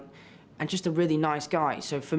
dan hanya seorang lelaki yang sangat baik